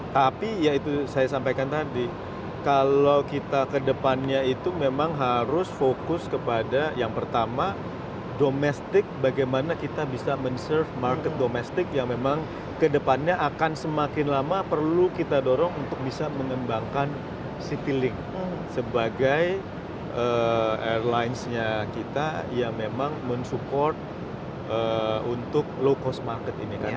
tapi ya itu saya sampaikan tadi kalau kita kedepannya itu memang harus fokus kepada yang pertama domestik bagaimana kita bisa men serve market domestik yang memang kedepannya akan semakin lama perlu kita dorong untuk bisa mengembangkan citylink sebagai airlinesnya kita yang memang men support untuk low cost market ini